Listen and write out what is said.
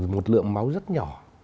một lượng máu rất nhỏ